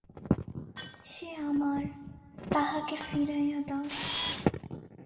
সে আমার, তাহাকে ফিরাইয়া দাও।